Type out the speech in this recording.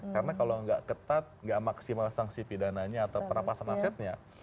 karena kalau nggak ketat nggak maksimal sanksi pidananya atau perapasan asetnya